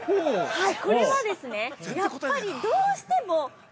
◆はい。